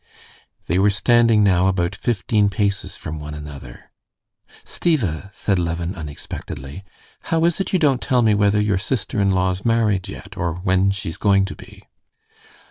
They were standing now about fifteen paces from one another. "Stiva!" said Levin unexpectedly; "how is it you don't tell me whether your sister in law's married yet, or when she's going to be?"